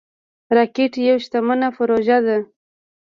راکټ یوه شتمنه پروژه ده